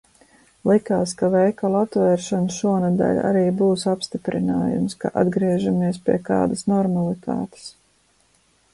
Likās, ka veikalu atvēršana šonedēļ arī būs apstiprinājums, ka atgriežamies pie kādas normalitātes.